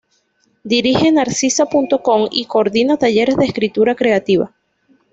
Dirige Narcisa.com y coordina talleres de escritura creativa.